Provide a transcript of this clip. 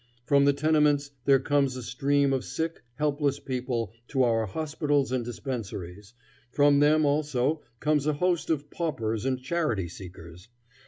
... From the tenements there comes a stream of sick, helpless people to our hospitals and dispensaries... from them also comes a host of paupers and charity seekers.